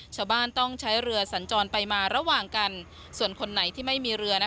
ชาวบ้านต้องใช้เรือสัญจรไปมาระหว่างกันส่วนคนไหนที่ไม่มีเรือ